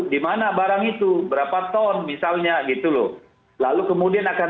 dimana barang itu berapa ton misalnya gitu loh lalu kemudian akan